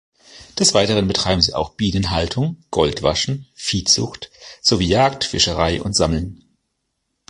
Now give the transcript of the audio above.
Des Weiteren betreiben sie auch Bienenhaltung, Goldwaschen, Viehzucht sowie Jagd, Fischerei und Sammeln.